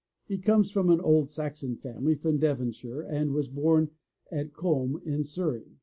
He comes of an old Saxon family from Dev onshire and was bom at Combe in Surrey.